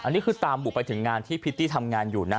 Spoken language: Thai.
อันนี้คือตามบุกไปถึงงานที่พิตตี้ทำงานอยู่นะ